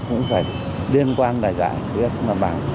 cũng phải liên quan đại dạng